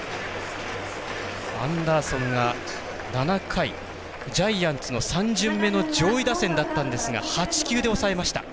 アンダーソンが７回ジャイアンツの３巡目の上位打線だったんですが８球で抑えました。